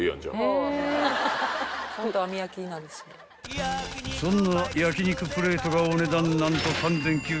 ［そんな焼肉プレートがお値段何と］